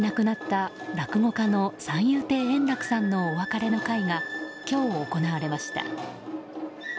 今年９月に７２歳で亡くなった落語家の三遊亭円楽さんのお別れの会が今日、行われました。